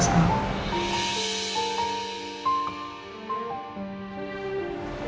ada yang melihatnya